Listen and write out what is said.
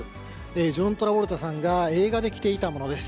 ジョン・トラボルタさんが映画で着ていたものです。